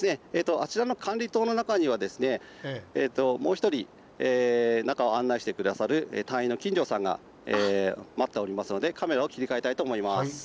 あちらの管理棟の中にはですねもう一人中を案内して下さる隊員の金城さんが待っておりますのでカメラを切り替えたいと思います。